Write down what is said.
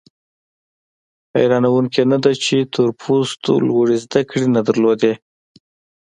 حیرانوونکي نه ده چې تور پوستو لوړې زده کړې نه درلودې.